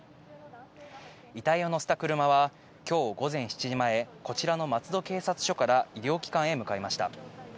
遺体を乗せた車は今日午前７時前、こちらの松戸警察署から医療機関へ向かいました。